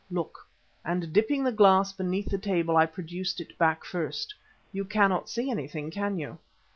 Look," and dipping the glass beneath the table I produced it back first. "You cannot see anything, can you?"